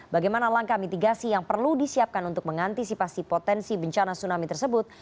bagaimana langkah mitigasi yang perlu disiapkan untuk mengantisipasi potensi bencana tsunami tersebut